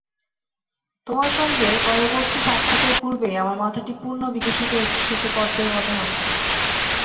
তোমার সঙ্গে পরবর্তী সাক্ষাতের পূর্বেই আমার মাথাটি পূর্ণ-বিকশিত একটি শ্বেত পদ্মের মত হবে।